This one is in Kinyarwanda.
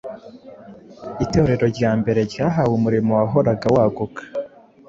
Itorero rya mbere ryahawe umurimo wahoraga waguka: